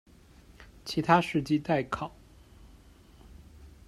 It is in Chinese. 其他事迹待考。